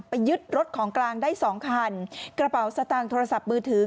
ยึดรถของกลางได้สองคันกระเป๋าสตางค์โทรศัพท์มือถือ